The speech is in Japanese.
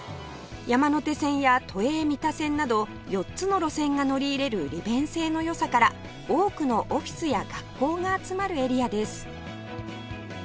山手線や都営三田線など４つの路線が乗り入れる利便性の良さから多くのオフィスや学校が集まるエリアです